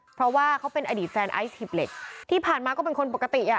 เพราะว่าเขาเป็นอดีตแฟนไอซ์หิบเหล็กที่ผ่านมาก็เป็นคนปกติอ่ะ